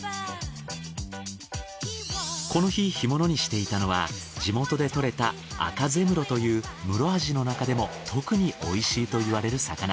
この日干物にしていたのは地元で獲れたアカゼムロというムロアジのなかでも特に美味しいといわれる魚。